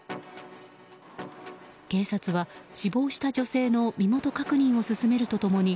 警察は死亡した女性の身元確認を進めると共に